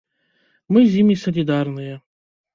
Мы з імі салідарныя.